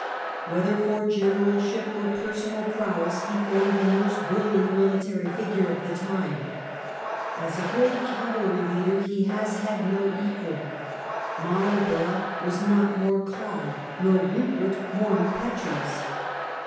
Whether for generalship or personal prowess he formed the most brilliant military figure of the time. As a great cavalry leader he has had no equal. Marlborough was not more calm nor Rupert more impetuous.